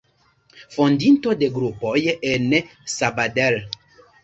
Fondinto de grupoj en Sabadell.